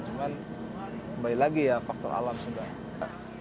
cuma kembali lagi ya faktor alam sih mbak